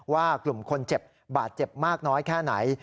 ว่ากลุ่มคนเจ็บบาดเจ็บมากน้อยแค่ไหน